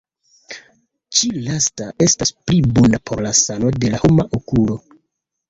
Ĉi lasta estas pli bona por la sano de la homa okulo.